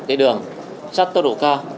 cái đường sát tốc độ cao